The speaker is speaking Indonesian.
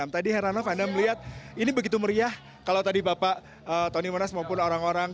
tadi heranov anda melihat ini begitu meriah kalau tadi bapak tony monas maupun orang orang